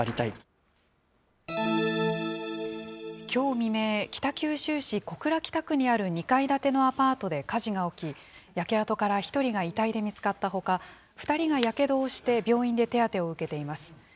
きょう未明、北九州市小倉北区にある２階建てのアパートで火事が起き、焼け跡から１人が遺体で見つかったほか、２人がやけどをして病院で手当てを受けています。